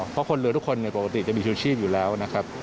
เพราะคนเรือทุกคนปกติจะมีชูชีพอยู่แล้วนะครับ